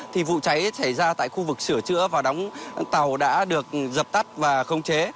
thì vụ cháy xảy ra tại khu vực sửa chữa và đóng tàu đã được dập tắt và khống chế